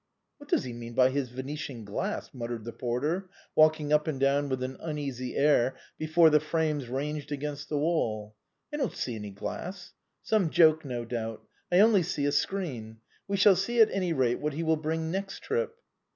" What does he mean by his Venetian glass ?" muttered the porter, walking up and down with an uneasy air before the frames ranged against the wall. " I don't see any glass. Some joke, no doubt. I only see a screen. We shall see, at any rate, what he will bring next trip."